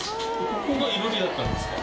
ここが囲炉裏だったんですか？